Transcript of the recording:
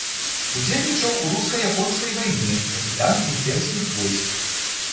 Удзельнічаў у руска-японскай вайне, капітан імперскіх войск.